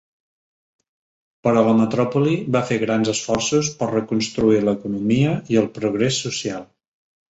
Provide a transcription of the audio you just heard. Però la metròpoli va fer grans esforços per reconstruir l'economia i el progrés social.